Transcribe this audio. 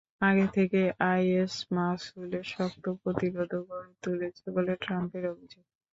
আগে থেকেই আইএস মসুলে শক্ত প্রতিরোধও গড়ে তুলেছে বলে ট্রাম্পের অভিযোগ।